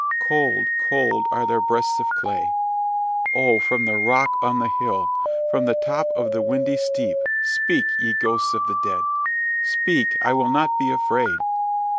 Cold, cold, are their breasts of clay! Oh, from the rock on the hill, from the top of the windy steep, speak, ye ghosts of the dead! Speak, I will not be afraid!